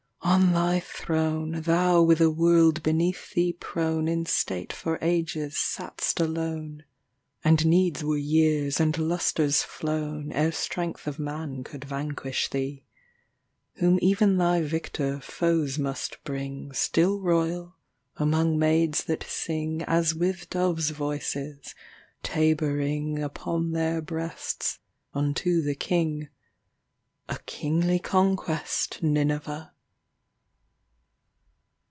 On thy throneThou with a world beneath thee proneIn state for ages sat'st alone; And needs were years and lustres flownEre strength of man could vanquish thee:Whom even thy victor foes must bring, Still royal, among maids that singAs with doves' voices, taboringUpon their breasts, unto the King,—A kingly conquest, Nineveh!